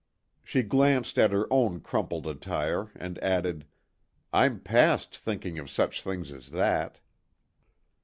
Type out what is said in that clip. She glanced at her own crumpled attire and added: "I'm past thinking of such things as that."